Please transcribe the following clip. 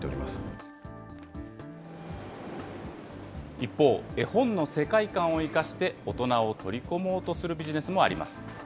一方、絵本の世界観を生かして、大人を取り込もうとするビジネスもあります。